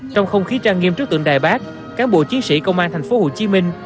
trong không khí trang nghiêm trước tượng đài bác cán bộ chiến sĩ công an thành phố hồ chí minh